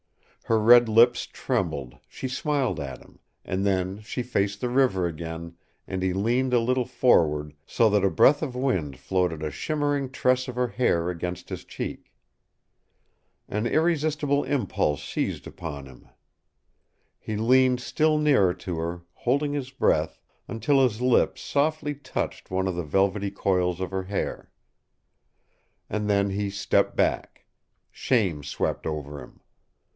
Her red lips trembled, she smiled at him, and then she faced the river again, and he leaned a little forward, so that a breath of wind floated a shimmering tress of her hair against his cheek. An irresistible impulse seized upon him. He leaned still nearer to her, holding his breath, until his lips softly touched one of the velvety coils of her hair. And then he stepped back. Shame swept over him.